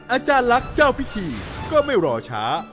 อาจารย์ลักษณ์เจ้าพิธีก็ไม่รอช้า